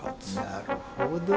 なるほど。